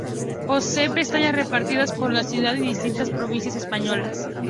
Posee peñas repartidas por la ciudad y distintas provincias españolas.